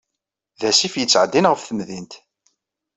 D asif yettɛeddin ɣef temdint.